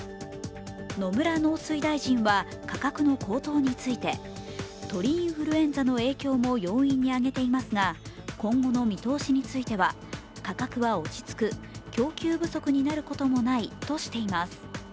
野村農水大臣は価格の高騰について鳥インフルエンザの影響も要因に挙げていますが今後の見通しについては価格は落ち着く供給不足になることもないとしています。